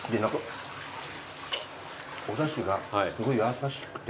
おだしがすごい優しくて。